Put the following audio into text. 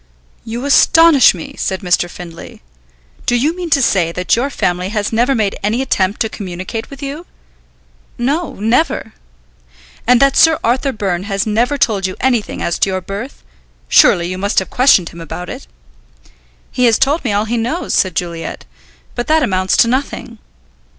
"You astonish me," said Mr. Findlay. "Do you mean to say that your family has never made any attempt to communicate with you?" "No, never." "And that Sir Arthur Byrne has never told you anything as to your birth? Surely you must have questioned him about it?" "He has told me all he knows," said Juliet, "but that amounts to nothing."